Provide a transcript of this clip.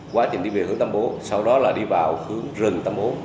quá trình đi về hướng tâm bố sau đó là đi vào hướng rừng tâm bố